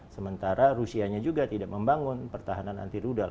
sementara rusianya juga tidak membangun pertahanan anti rudal